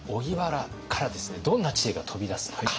どんな知恵が飛び出すのか。